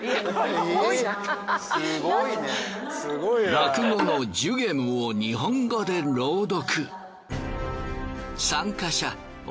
落語の『寿限無』を日本語で朗読。